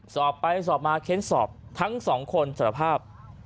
สอบไปสอบมาเค้นสอบทั้งสองคนสารภาพ